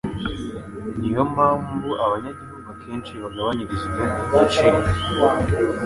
Ni yo mpamvu abanyagihugu akenshi bagabanyirizwa igiciro